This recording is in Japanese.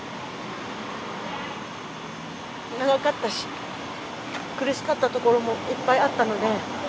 長かったし、苦しかったところもいっぱいあったので。